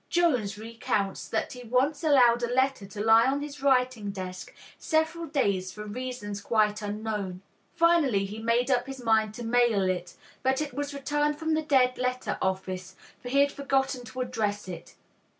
Jones recounts that he once allowed a letter to lie on his writing desk several days for reasons quite unknown. Finally he made up his mind to mail it; but it was returned from the dead letter office, for he had forgotten to address it.